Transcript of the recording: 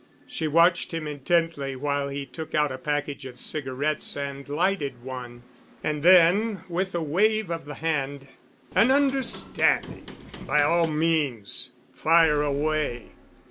She watched him intently while he took out a package of cigarettes and lighted one. And then, with a wave of the hand, "An understanding—by all means. Fire away."